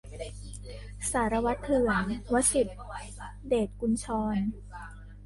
สารวัตรเถื่อน - วสิษฐ เดชกุญชร